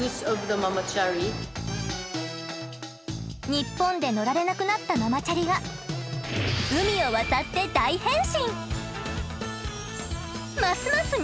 ニッポンで乗られなくなったママチャリが海を渡って大変身！